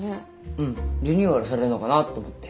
うんリニューアルされるのかなと思って。